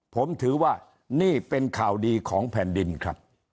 ผมถือว่านี่เป็นข่าวดีของแผ่นดินครับ